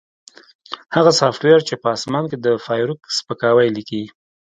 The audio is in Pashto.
هغه سافټویر چې په اسمان کې د فارویک سپکاوی لیکي